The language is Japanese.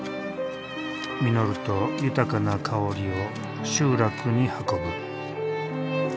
実ると豊かな香りを集落に運ぶ。